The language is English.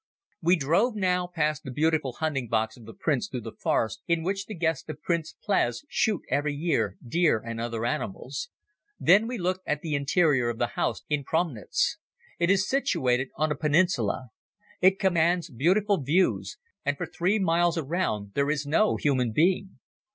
We drove now, past the beautiful hunting box of the Prince through the forest, in which the guests of Prince Pless shoot every year, deer, and other animals. Then we looked at the interior of the house in Promnitz. It is situated on a peninsula. It commands beautiful views and for three miles around there is no human being.